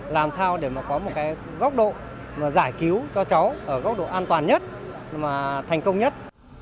làm sao để mà có một cái góc độ mà giải cứu cho cháu ở góc độ an toàn nhất mà thành công nhất